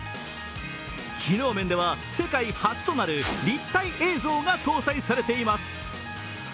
機能面では世界初となる立体映像が搭載されています。